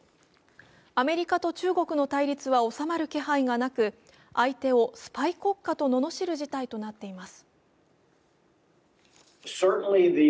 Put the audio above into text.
アメリカと中国の対立は収まる気配がなく相手をスパイ国家とののしる事態となっています。